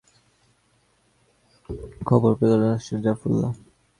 খবর পেয়ে ঘটনাস্থল পরিদর্শনে যান আওয়ামী লীগের সভাপতিমণ্ডলীর সদস্য কাজী জাফরুল্লাহ।